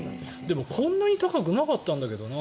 でも、こんなに高くなかったんだけどな。